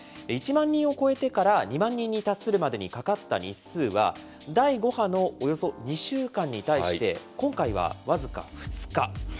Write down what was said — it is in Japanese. １万人を超えてから２万人に達するまでにかかった日数は、第５波のおよそ２週間に対して、今回は僅か２日。